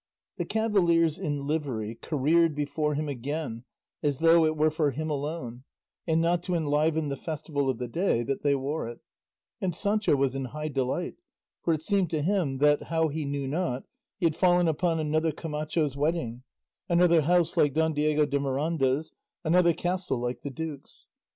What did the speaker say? The cavaliers in livery careered before him again as though it were for him alone, and not to enliven the festival of the day, that they wore it, and Sancho was in high delight, for it seemed to him that, how he knew not, he had fallen upon another Camacho's wedding, another house like Don Diego de Miranda's, another castle like the duke's.